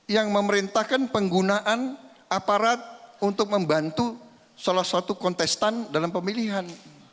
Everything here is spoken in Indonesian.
yang memerintahkan penggunaan aparat untuk membantu salah satu kontestan dalam pemilihan